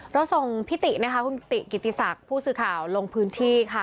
เราส่งพิตินะคะคุณติกิติศักดิ์ผู้สื่อข่าวลงพื้นที่ค่ะ